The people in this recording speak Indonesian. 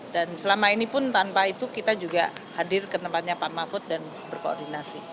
dan selama ini pun tanpa itu kita juga hadir ke tempatnya pak mafut dan berkoordinasi